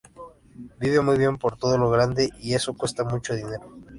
Viví muy bien, por todo lo grande, y eso, cuesta mucho dinero".